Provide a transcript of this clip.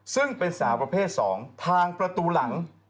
ซึ่งเป็นสาวประเภท๒ทางประตูหลัง